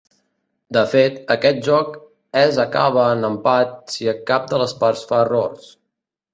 De fet, aquest joc és acaba en empat si cap de les parts fa errors.